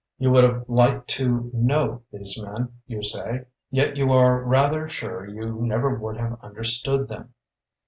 You would have liked to know these men, you say ; yet you are rather sure you never would have understood them.